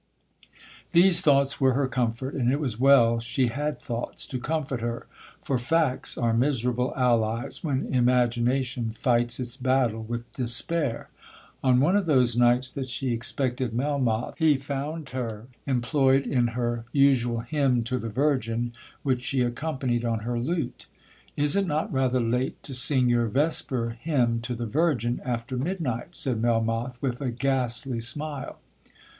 'These thoughts were her comfort, and it was well she had thoughts to comfort her, for facts are miserable allies when imagination fights its battle with despair. On one of those nights that she expected Melmoth, he found her employed in her usual hymn to the Virgin, which she accompanied on her lute. 'Is it not rather late to sing your vesper hymn to the Virgin after midnight?' said Melmoth with a ghastly smile.